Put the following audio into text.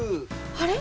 あれ？